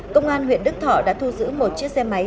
công an huyện đức thọ đã thu giữ một chiếc xe máy